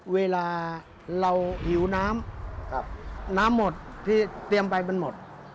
เวลาเราหิวน้ำน้ำหมดที่เตรียมไปมันหมด